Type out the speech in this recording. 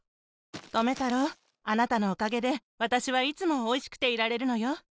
とめたろうあなたのおかげでわたしはいつもおいしくていられるのよ。